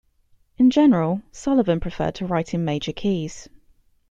In general, Sullivan preferred to write in major keys.